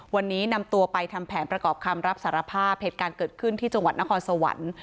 วันนี้นำตัวไปทำแผนประกอบคำรับสารภาพเหตุการณ์เกิดขึ้นที่จังหวัดนครสวรรค์